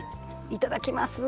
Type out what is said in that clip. いただきます。